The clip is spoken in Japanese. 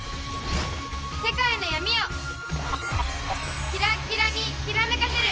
世界の闇をキラッキラにキラメかせる！